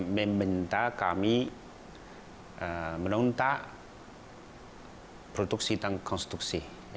meminta kami menuntut produksi dan konstruksi